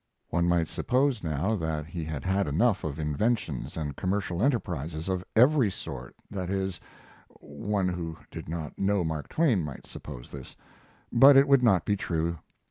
One might suppose now that he had had enough of inventions and commercial enterprises of every sort that is, one who did not know Mark Twain might suppose this; but it would not be true.